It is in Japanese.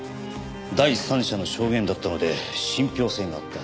第三者の証言だったので信憑性があった。